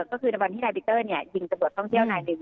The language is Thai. ก็คือในวันที่นายปีเตอร์ยิงตำรวจท่องเที่ยวนายหนึ่ง